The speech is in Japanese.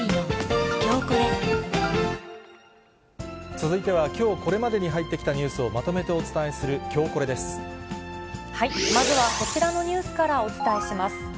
続いては、きょうこれまでに入ってきたニュースを、まとめてお伝えするきょまずはこちらのニュースからお伝えします。